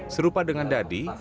serupa dengan dadi